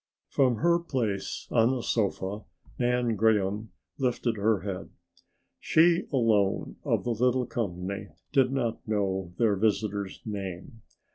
From her place on the sofa Nan Graham lifted her head. She alone of the little company did not know their visitor's name.